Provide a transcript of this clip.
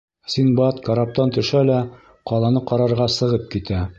Синдбад караптан төшә лә ҡаланы ҡарарға сығып китә.